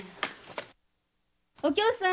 ・お杏さん